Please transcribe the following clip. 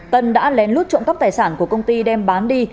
tân đã lén lút trộm cắp tài sản của công ty đem bán đi